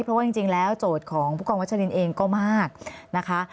เพราะว่าจริงแล้วโจทย์ของผู้กองวัชลินเองก็มากนะคะ